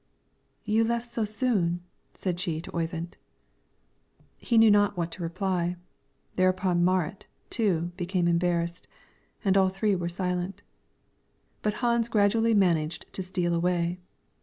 "You left so soon," said she to Oyvind. He knew not what to reply; thereupon Marit, too, became embarrassed, and all three were silent. But Hans gradually managed to steal away.